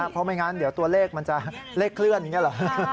เพราะไม่งั้นเดี๋ยวตัวเลขมันจะเลขเคลื่อนอย่างนี้หรอ